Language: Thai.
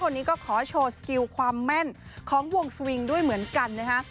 วันนี้ก็ขอโชว์สกิลความแม่นของวงสวิงด้วยเหมือนกันนะฮะ